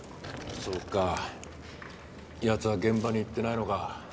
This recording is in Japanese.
そうか奴は現場に行ってないのか。